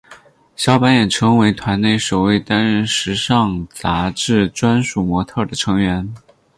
小坂也成为团内首位担任时尚杂志专属模特儿的成员。